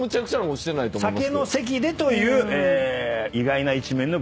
酒の席でという意外な一面のＶＴＲ。